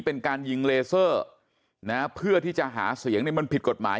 เป็นการยิงเลเซอร์นะเพื่อที่จะหาเสียงเนี่ยมันผิดกฎหมาย